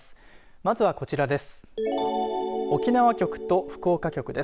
まずは、こちらです。